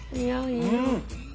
うん！